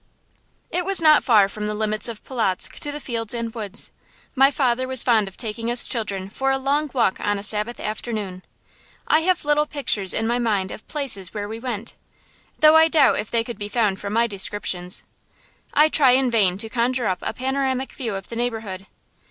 It was not far from the limits of Polotzk to the fields and woods. My father was fond of taking us children for a long walk on a Sabbath afternoon. I have little pictures in my mind of places where we went, though I doubt if they could be found from my descriptions. I try in vain to conjure up a panoramic view of the neighborhood.